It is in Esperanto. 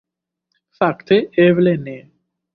Fakte, eble ne.